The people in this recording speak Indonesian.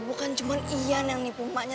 bukan cuma ian yang nipu emaknya